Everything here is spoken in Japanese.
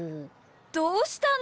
どうしたの？